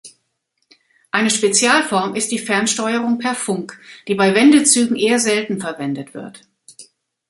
Eine Spezialform ist die Fernsteuerung per Funk, die bei Wendezügen eher selten verwendet wird.